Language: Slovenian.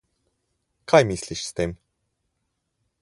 Kaj misliš s tem?